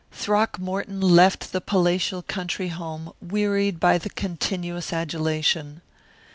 Throckmorton left the palatial country home wearied by the continuous adulation.